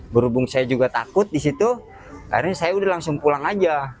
berhubung saya juga takut di situ akhirnya saya udah langsung pulang aja